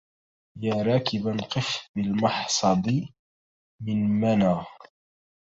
يا راكباً قف بالمحصب من منى